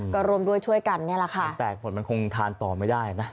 ก็รวมด้วยช่วยกันเนี่ยแหละค่ะมันแตกผลมันคงทานต่อไม่ได้นะ